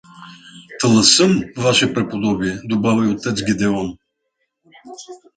— Таласъм, ваше преподобие — добави отец Гедеон.